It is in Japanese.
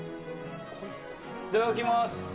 いただきます。